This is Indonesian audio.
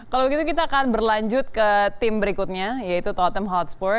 kalau begitu kita akan berlanjut ke tim berikutnya yaitu tottenham hotspur